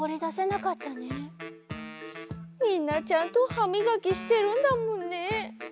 みんなちゃんとはみがきしてるんだもんね。